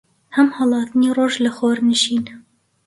هەم هەڵاتنی ڕۆژ لە خۆرنشین